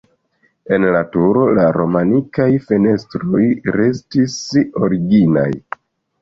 En la turo la romanikaj fenestroj restis originaj.